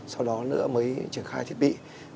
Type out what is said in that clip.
sau đó nữa mới triển khai thiết bị